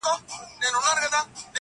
چي له وېري راوتای نه سي له کوره،